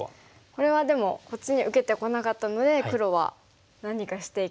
これはでもこっちに受けてこなかったので黒は何かしていきたいですよね。